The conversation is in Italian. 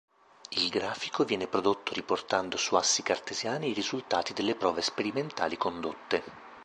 Il grafico viene prodotto riportando su assi cartesiani i risultati delle prove sperimentali condotte.